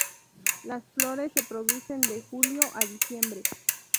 Las flores se producen de julio a diciembre.